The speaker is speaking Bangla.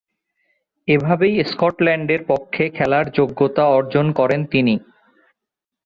এভাবেই স্কটল্যান্ডের পক্ষে খেলার যোগ্যতা অর্জন করেন তিনি।